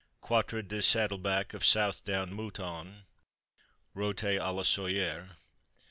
Quatre de Saddleback of Southdown Mouton, rôti à la Soyer.